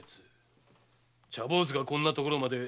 茶坊主がこんな所まで何の用だ。